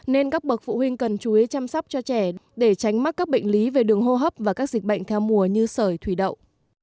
nên các bậc phụ huynh cần chú ý chăm sóc cho trẻ để tránh mắc các bệnh lý về đường hô hấp và các dịch bệnh theo mùa như sởi thủy đậu